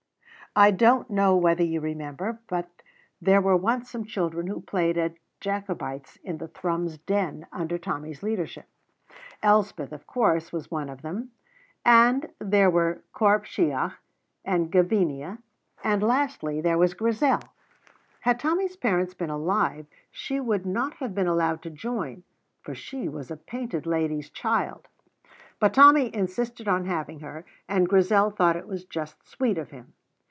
I don't know whether you remember, but there were once some children who played at Jacobites in the Thrums Den under Tommy's leadership. Elspeth, of course, was one of them, and there were Corp Shiach, and Gavinia, and lastly, there was Grizel. Had Tommy's parents been alive she would not have been allowed to join, for she was a painted lady's child; but Tommy insisted on having her, and Grizel thought it was just sweet of him.